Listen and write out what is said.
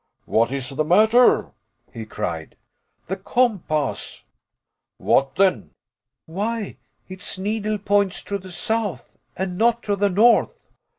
"What is the matter?" he cried. "The compass!" "What then?" "Why its needle points to the south and not to the north."